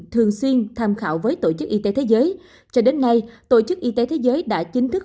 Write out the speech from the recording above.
thường xuyên tham khảo với tổ chức y tế thế giới cho đến nay tổ chức y tế thế giới đã chính thức